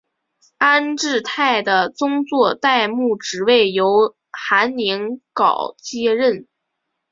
安治泰的宗座代牧职位由韩宁镐接任。